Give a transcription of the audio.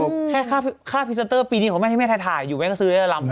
แค่ค่าพิสเตอร์ปีนี้ของแม่ที่แม่ไทยถ่ายอยู่ไว้ก็ซื้อได้ลำ